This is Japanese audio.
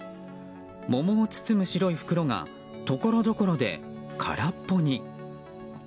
桃を包む白い袋がところどころで空っぽに。